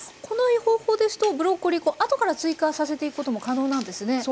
この方法ですとブロッコリー後から追加させていくことも可能なんですね。